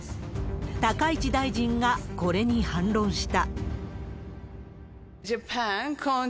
高市大臣がこれに反論した。